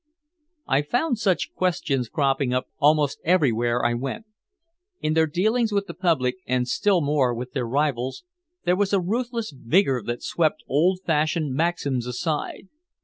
I found such questions cropping up almost everywhere I went. In their dealings with the public and still more with their rivals, there was a ruthless vigor that swept old fashioned maxims aside.